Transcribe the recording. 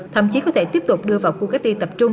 thậm chí có thể tiếp tục đưa vào khu cách ly tập trung